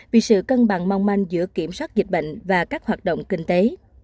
vì sự cân bằng mong manh giữa kiểm soát dịch bệnh và các hoạt động kinh tế